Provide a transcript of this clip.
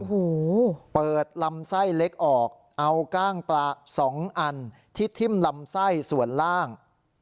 โอ้โหเปิดลำไส้เล็กออกเอาก้างปลาสองอันที่ทิ้มลำไส้ส่วนล่าง